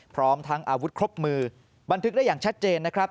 พร้อมทั้งอาวุธครบมือบันทึกได้อย่างชัดเจนนะครับ